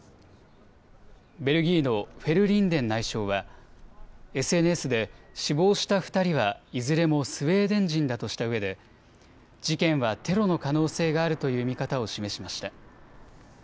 ベルギーのフェルリンデン内相はＳＮＳで死亡した２人はいずれもスウェーデン人だとしたうえで事件はテロの可能性があるという見方を示しました。